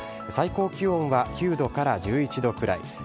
最高気温は９度から１１度くらい。